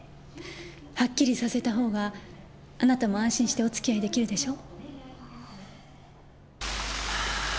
はっきりさせたほうがあなたも安心してお付き合いできるでしょ？